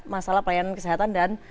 masalah pelayanan kesehatan dan